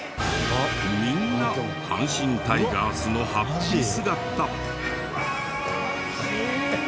みんな阪神タイガースの法被姿。